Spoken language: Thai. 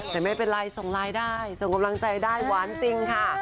แต่ไม่เป็นไรส่งไลน์ได้ส่งกำลังใจได้หวานจริงค่ะ